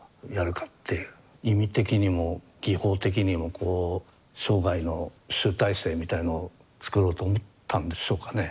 意味的にも技法的にもこう生涯の集大成みたいのを作ろうと思ったんでしょうかね。